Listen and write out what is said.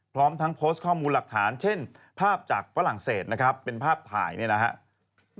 พร้อมทั้งโพสต์ข้อมูลหลักฐานเช่นภาพจากฝรั่งเศสนะครับเป็นภาพถ่ายเนี่ยนะครับ